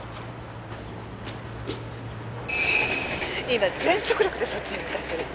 今全速力でそっちに向かってる。